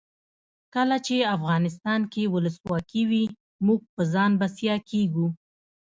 کله چې افغانستان کې ولسواکي وي موږ په ځان بسیا کیږو.